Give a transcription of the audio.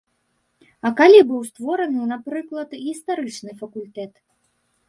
А калі быў створаны, напрыклад, гістарычны факультэт?